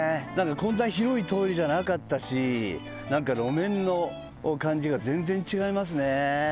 何かこんな広い通りじゃなかったし何か路面の感じが全然違いますね。